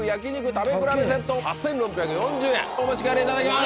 お持ち帰りいただきます！